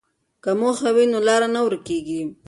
که موخه وي نو لاره نه ورکېږي.